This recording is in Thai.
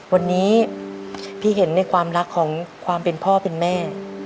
วันนี้พี่เห็นในความรักของความเป็นพ่อเป็นแม่